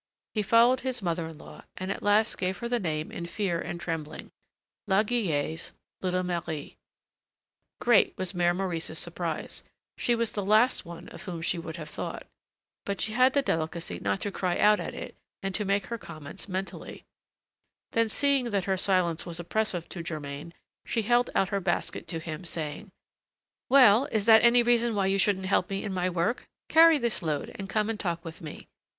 He followed his mother in law, and at last gave her the name in fear and trembling La Guillette's little Marie. Great was Mère Maurice's surprise: she was the last one of whom she would have thought. But she had the delicacy not to cry out at it, and to make her comments mentally. Then, seeing that her silence was oppressive to Germain, she held out her basket to him, saying: "Well, is that any reason why you shouldn't help me in my work? Carry this load, and come and talk with me.